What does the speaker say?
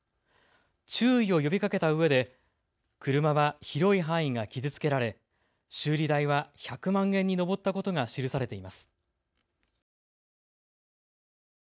注意を呼びかけたうえで車は広い範囲が傷つけられ修理代は１００万円に上ったことが記されています。